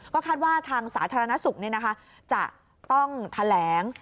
ก็คาดว่าทางสาธารณสุขเนี่ยนะคะจะต้องแถลง